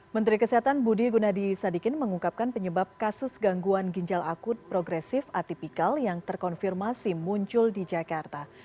menteri kesehatan budi gunadi sadikin mengungkapkan penyebab kasus gangguan ginjal akut progresif atipikal yang terkonfirmasi muncul di jakarta